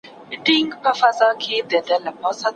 دغه سړی په رښتیا سره په خپلو ټولو خبرو او معاملو کي رښتونی و.